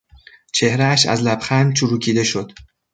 چهرهاش از لبخند چروکیده شد.